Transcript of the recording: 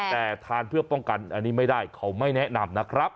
แต่ทานเพื่อป้องกันอันนี้ไม่ได้เขาไม่แนะนำนะครับ